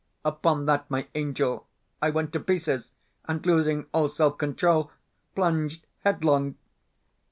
Upon that, my angel, I went to pieces, and, losing all self control, plunged headlong.